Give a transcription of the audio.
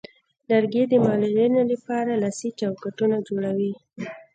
لرګی د معلولینو لپاره لاسي چوکاټونه جوړوي.